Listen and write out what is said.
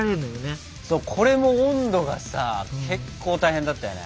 これも温度がさ結構大変だったよね。